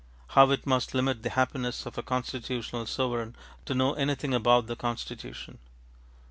How it must limit the happiness of a constitutional sovereign to know anything about the constitution!